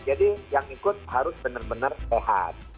jadi yang ikut harus benar benar sehat